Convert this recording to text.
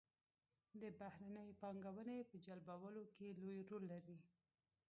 د بهرنۍ پانګونې په جلبولو کې لوی رول لري.